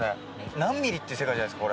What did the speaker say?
何ミリって世界じゃないですか？